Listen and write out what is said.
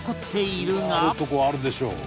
「あるとこはあるでしょ」